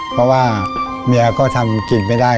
เพราะว่าเมียก็ทำกินไม่ได้